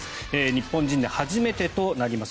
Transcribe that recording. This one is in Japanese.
日本人で初めてとなります